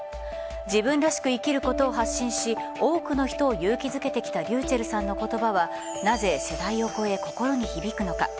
自分らしく生きることを発信し多くの人を勇気付けてきたｒｙｕｃｈｅｌｌさんの言葉はなぜ世代を超え、心に響くのか。